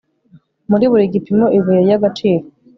Muri buri gipimo ibuye ryagaciro